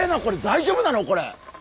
大丈夫なのこれ？